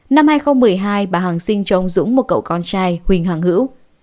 năm hai nghìn một mươi hai bà hằng sinh cho ông dũng một cậu con trai huỳnh hoàng hữu